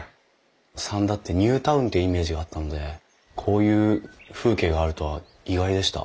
三田ってニュータウンっていうイメージがあったのでこういう風景があるとは意外でした。